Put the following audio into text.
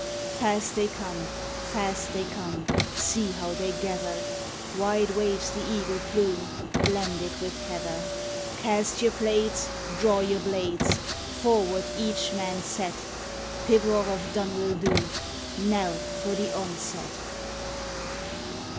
Fast they come, fast they come; See how they gather! Wide waves the eagle plume Blended with heather. Cast your plaids, draw your blades, Forward each man set! Pibroch of Donuil Dhu Knell for the onset!